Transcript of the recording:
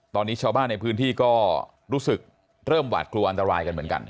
ตอนนี้ชาวบ้านในพื้นที่ก็รู้สึกเริ่มหวาดกลัวอันตรายกันเหมือนกัน